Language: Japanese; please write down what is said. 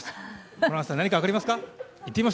ホランさん、何か分かりますか？